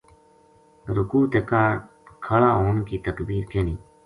رکوع تے کاہڈ کھلا ہون کی تکبیر کہنی۔